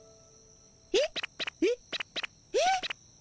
えっ？えっ？えっ？